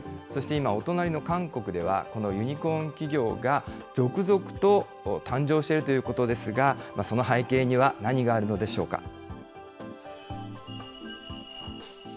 そして今、お隣の韓国では、このユニコーン企業が続々と誕生しているということですが、その背景には何があるのでしょうか。